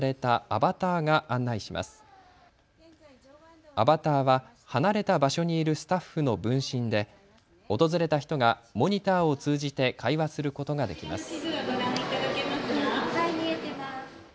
アバターは離れた場所にいるスタッフの分身で訪れた人がモニターを通じて会話することができます。